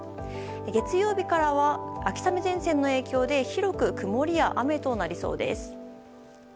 月曜日からは秋雨前線の影響で広く曇りや雨となりそうです。